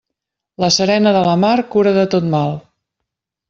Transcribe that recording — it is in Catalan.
La serena de la mar cura de tot mal.